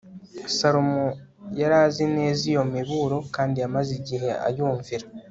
salomo yari azi neza iyo miburo kandi yamaze igihe ayumvira